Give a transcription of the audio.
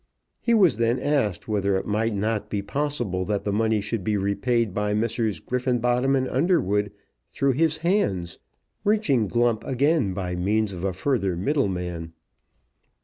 He was then asked whether it might not be possible that the money should be repaid by Messrs. Griffenbottom and Underwood through his hands, reaching Glump again by means of a further middleman.